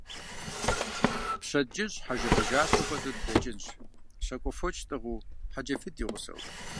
Пщэдджыжь хьэжэбэжащэ хуэдэу дыдэкӀынщ, щакӀуэ фоч тӀыгъыу, хьэджафитӀ ди гъусэу.